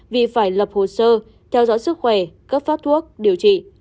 vì phải lập hồ sơ theo dõi sức khỏe cấp phát thuốc điều trị